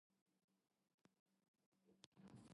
His actions also earned him a promotion to full lieutenant.